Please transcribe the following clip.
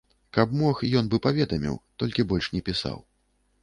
Каб мог, ён бы паведаміў, толькі больш не пісаў.